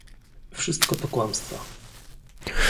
Wszystko to kłamstwa